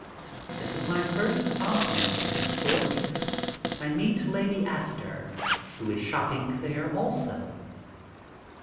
This is my first offense of this sort. I meet Lady Astor, who is shopping there also.